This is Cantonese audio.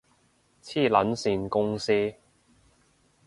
黐撚線公司